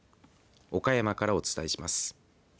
岡山からお伝えします。